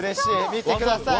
見てください。